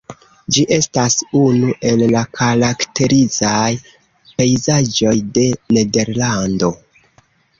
Ĝi estas unu el la karakterizaj pejzaĝoj de Nederlando.